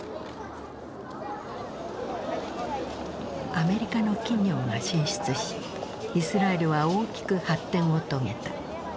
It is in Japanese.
アメリカの企業が進出しイスラエルは大きく発展を遂げた。